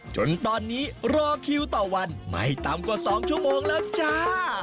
จนตอนนี้รอคิวต่อวันไม่ต่ำกว่า๒ชั่วโมงแล้วจ้า